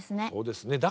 そうですね。